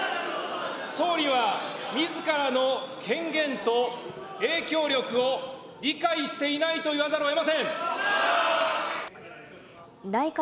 総理はみずからの権限と影響力を理解していないと言わざるをえません。